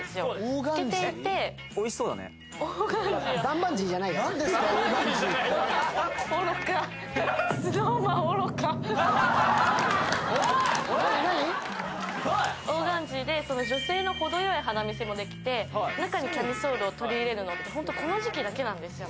透けていて愚かオーガンジーで女性のほどよい肌みせもできて中にキャミソールを取り入れるのってホントこの時期だけなんですよ